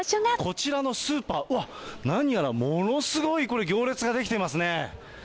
こちらのスーパー、うわっ、何やらものすごい、これ、行列が出来ていますね。